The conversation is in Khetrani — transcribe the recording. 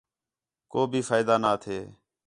کُو بھی فائدہ نا تھے